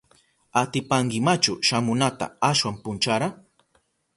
¿Atipankimachu shamunata ashwan punchara?